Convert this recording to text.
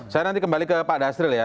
saya nanti kembali ke pak dasril ya